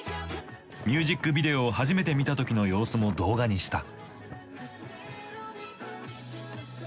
ミュージックビデオを初めて見た時の様子も動画にした。